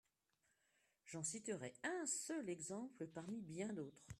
J’en citerai un seul exemple, parmi bien d’autres.